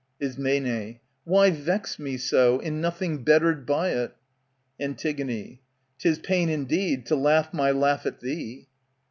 Ism, Why vex me so, in nothing bettered by it ?^^^ Antig, 'Tis pain indeed, to laugh my laugh at thee.